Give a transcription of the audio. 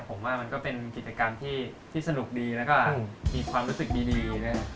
ผมว่ามันก็เป็นกิจกรรมที่สนุกดีแล้วก็มีความรู้สึกดีนะครับ